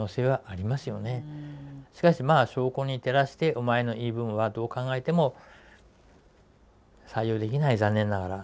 しかしまあ証拠に照らしてお前の言い分はどう考えても採用できない残念ながら。